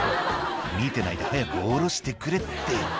「見てないで早く下ろしてくれって」